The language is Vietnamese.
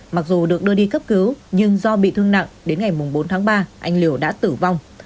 mặc dù được đưa đi cấp cứu nhưng do bị thương nặng đến ngày bốn tháng ba anh liều đã tử vong